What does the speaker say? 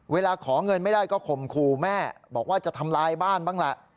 เวลาขอเงินไม่ได้ก็ข่มขู่แม่บอกว่าจะทำลายบ้านบ้างล่ะ